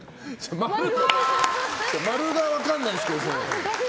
○が分かんないですけど。